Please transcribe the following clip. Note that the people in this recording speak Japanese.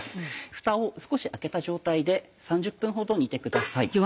ふたを少し開けた状態で３０分ほど煮てください。